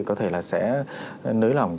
có thể sẽ nới lỏng